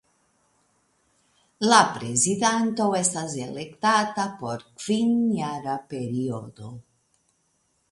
La prezidanto estas elektata por kvinjara periodo.